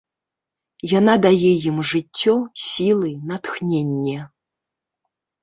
Яна дае ім жыццё, сілы, натхненне.